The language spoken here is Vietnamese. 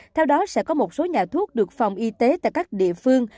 theo đó sẽ có một số nhà thuốc được phòng y tế tại các địa phương